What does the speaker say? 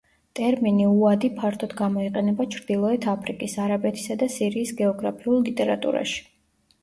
ტერმინი უადი ფართოდ გამოიყენება ჩრდილოეთ აფრიკის, არაბეთისა და სირიის გეოგრაფიულ ლიტერატურაში.